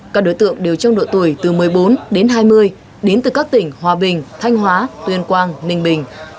các đối tượng đều trong độ tuổi từ một mươi bốn đến hai mươi đến từ các tỉnh hòa bình thanh hóa tuyên quang ninh bình